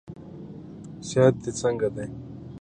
صحت دې څنګه دئ؟